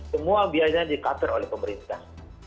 semua biayanya dikater oleh pemerintah